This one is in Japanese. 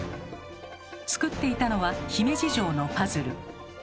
作っていたのは姫路城のパズル。